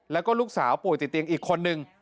แล้วก็ลูกสาวป่วยติดเตียงอีกคนนึง